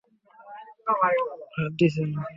এই, হাত দিছ না।